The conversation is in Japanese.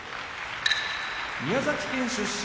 宮崎県出身